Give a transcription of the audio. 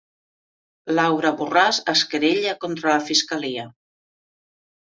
Laura Borràs es querella contra la fiscalia